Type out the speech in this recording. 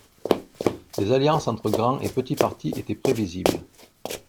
Des alliances entre grands et petits partis étaient prévisibles.